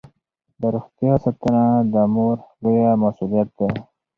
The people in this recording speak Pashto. د روغتیا ساتنه د مور لویه مسوولیت ده.